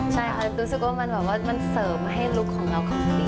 ใช่ค่ะแล้วรู้สึกว่ามันแบบว่ามันเสริมให้ลูกของเราของมี